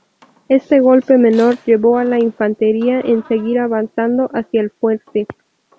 Este golpe menor llevó a la infantería en seguir avanzando hacia el fuerte.